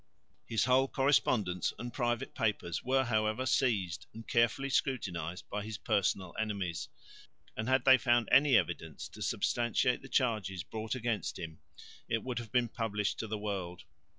His whole correspondence and private papers were however seized and carefully scrutinised by his personal enemies; and, had they found any evidence to substantiate the charges brought against him, it would have been published to the world.